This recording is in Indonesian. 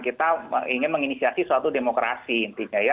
kita ingin menginisiasi suatu demokrasi intinya ya